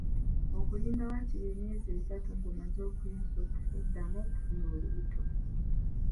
Okulinda waakiri emyezi esatu ng'omaze okuyonsa, okuddamu okufuna olubuto.